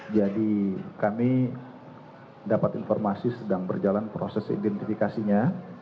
jadi kami dapat informasi sedang berjalan proses identifikasinya